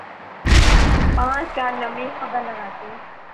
پانچ کالمی خبر لگاتے۔